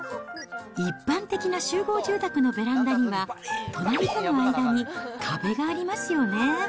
一般的な集合住宅のベランダには、隣との間に壁がありますよね。